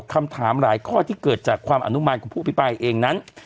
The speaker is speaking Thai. คำถามหลายข้อที่เกิดจากความอนุมานของผู้อภิปรายเองนั้น